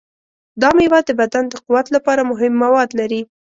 دا میوه د بدن د قوت لپاره مهم مواد لري.